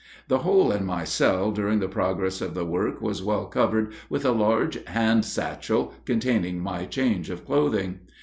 The hole in my cell during the progress of the work was kept covered with a large hand satchel containing my change of clothing.